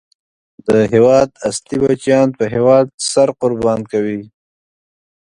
د وطن اصلی بچیان په هېواد سر قربان کوي.